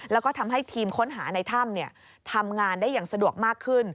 แล้วก็ทำให้ทีมค้นหาในถ้ำทำงานได้อย่างสะดวกมากขึ้น